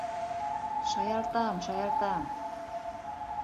Шаяртам, шаяртам...